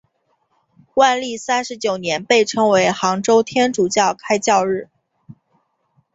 万历三十九年被称为杭州天主教开教日。